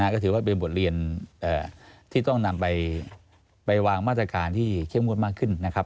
ก็ถือว่าเป็นบทเรียนที่ต้องนำไปวางมาตรการที่เข้มงวดมากขึ้นนะครับ